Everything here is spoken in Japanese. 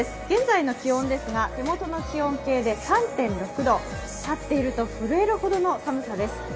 現在の気温ですが手元の気温計で３．６度、立っていると震えるほどの寒さです。